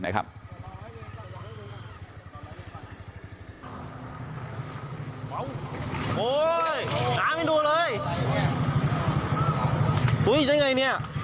อุ้ยเป็นไงเนี่ย